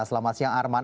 selamat siang arman